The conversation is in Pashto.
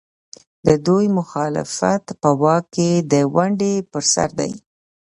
د دوی مخالفت په واک کې د ونډې پر سر دی.